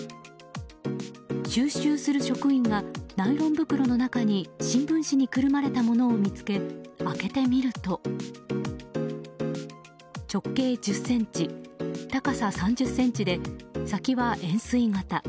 収集する職員がナイロン袋の中に新聞紙にくるまれたものを見つけ開けてみると直径１０ｃｍ、高さ３０ｃｍで先は円錐形。